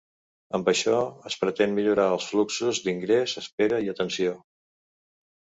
Amb això es pretén millorar els fluxos d’ingrés, espera i atenció.